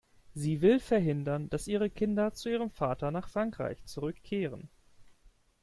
Sie will verhindern, dass ihre Kinder zu ihrem Vater nach Frankreich zurückkehren.